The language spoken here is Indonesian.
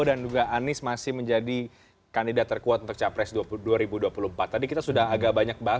dan juga anies masih menjadi kandidat terkuat untuk capres dua puluh dua ribu dua puluh empat tadi kita sudah agak banyak bahas